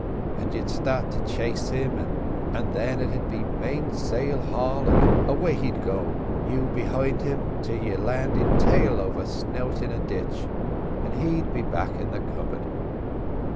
And you'd start to chase him, an' then it'd be mainsail haul, and away he'd go, you behint him, till you'd landed tail over snout in a ditch, an' he'd be back in the cupboard."